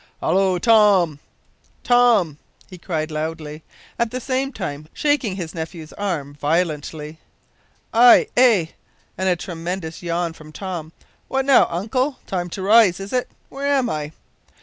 "Hallo! Tom! Tom!" cried he loudly, at the same time shaking his nephew's arm violently. "Aye, eh!" and a tremendous yawn from Tom. "What now, uncle? Time to rise, is it? Where am I?"